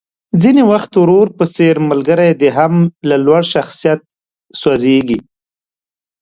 ځينې وخت ورور په څېر ملګری دې هم له لوړ شخصيت سوځېږي.